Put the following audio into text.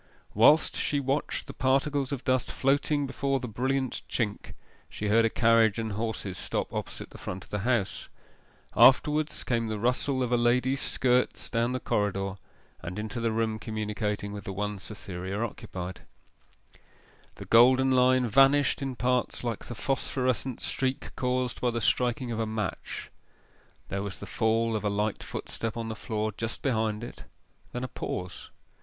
Whilst she watched the particles of dust floating before the brilliant chink she heard a carriage and horses stop opposite the front of the house. Afterwards came the rustle of a lady's skirts down the corridor, and into the room communicating with the one Cytherea occupied. The golden line vanished in parts like the phosphorescent streak caused by the striking of a match; there was the fall of a light footstep on the floor just behind it: then a pause.